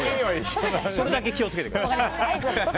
それだけ気を付けてください。